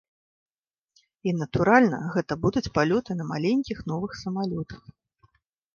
І, натуральна, гэта будуць палёты на маленькіх новых самалётах.